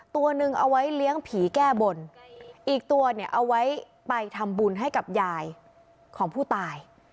ตัวหนึ่งเอาไว้เลี้ยงผีแก้บนอีกตัวเนี่ยเอาไว้ไปทำบุญให้กับยายของผู้ตาย